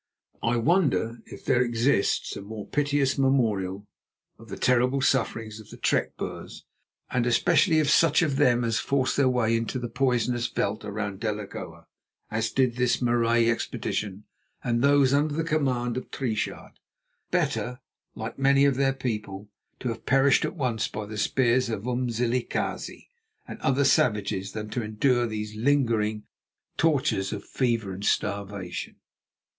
I wonder if there exists a more piteous memorial of the terrible sufferings of the trek Boers, and especially of such of them as forced their way into the poisonous veld around Delagoa, as did this Marais expedition and those under the command of Triechard. Better, like many of their people, to have perished at once by the spears of Umzilikazi and other savages than to endure these lingering tortures of fever and starvation.